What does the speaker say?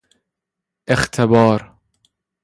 اختبار